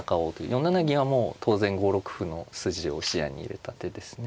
４七銀はもう当然５六歩の筋を視野に入れた手ですね。